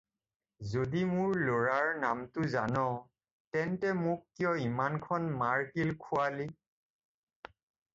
যদি মোৰ ল'ৰাৰ নামটো জান, তেন্তে মোক কিয় ইমানখন মাৰ-কিল খুৱালি?